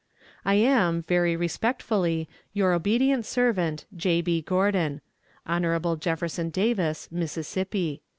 "I am, very respectfully, your obedient servant, "J. B. GORDON. "Hon. JEFFERSON DAVIS, Mississippi."